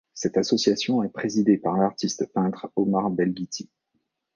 Cette association est présidée par l'artiste peintre Omar Belghiti.